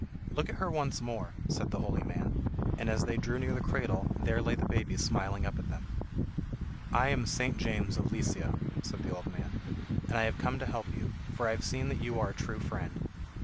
"Look at her once more," said the holy man, and as they drew near the cradle there lay the baby smiling up at them. "I am St. James of Lizia," said the old man, "and I have come to help you, for I have seen that you are a true friend.